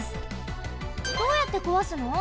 どうやってこわすの？